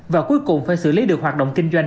và cuối cùng phải xử lý được hoạt động kinh doanh